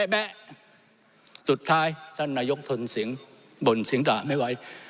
แบะสุดท้ายท่านนายกทนสิงห์บ่นสิงห์ด่าไม่ไหว